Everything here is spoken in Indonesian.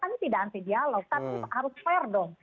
kami tidak anti dialog tapi harus fair dong